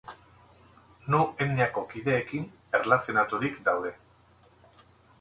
Nu etniako kideekin erlazionaturik daude.